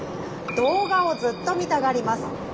「動画をずっと見たがります。